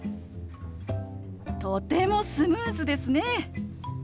とてもスムーズですね！